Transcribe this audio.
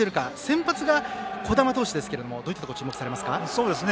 先発が児玉投手ですがどういったところ注目されますか。